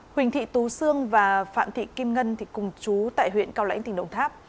huỳnh thị tú sương và phạm thị kim ngân cùng chú tại huyện cao lãnh tỉnh đồng tháp